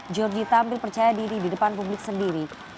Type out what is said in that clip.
georgie tampil percaya diri di depan publik sendiri